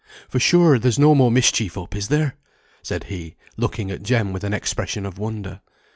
For sure, there's no more mischief up, is there?" said he, looking at Jem with an expression of wonder.